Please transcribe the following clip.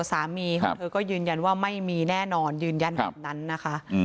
สามีของเธอก็ยืนยันว่าไม่มีแน่นอนยืนยันแบบนั้นนะคะ